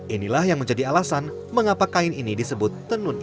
inilah yang menjadi alasan mengapa kain ini disebut tenun